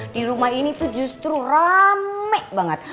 di rumah ini tuh justru rame banget